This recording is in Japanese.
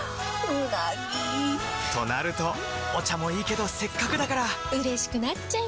うなぎ！となるとお茶もいいけどせっかくだからうれしくなっちゃいますか！